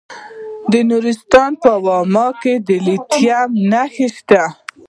د نورستان په واما کې د لیتیم نښې شته.